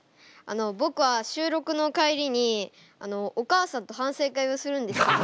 僕は収録の帰りにお母さんと反省会をするんですけれど。